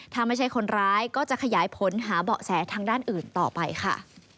ถ้าไม่ใช่คนร้ายก็จะขยายผลหาเบาะแสทางด้านอื่นต่อไปค่ะ